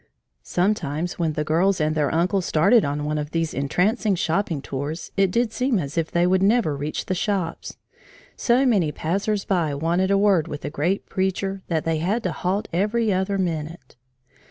Sometimes when the girls and their uncle started on one of these entrancing shopping tours, it did seem as if they would never reach the shops. So many passers by wanted a word with the great preacher they had to halt every other minute.